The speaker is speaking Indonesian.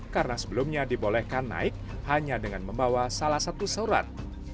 karena sebelumnya dibolehkan naik hanya dengan membawa salah satu surat